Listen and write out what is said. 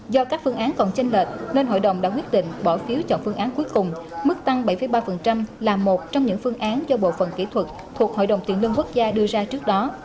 do các phương án còn trên lệch nên hội đồng đã quyết định bỏ phiếu chọn phương án cuối cùng mức tăng bảy ba là một trong những phương án do bộ phần kỹ thuật thuộc hội đồng tiền lương quốc gia đưa ra trước đó